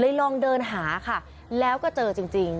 ลองเดินหาค่ะแล้วก็เจอจริง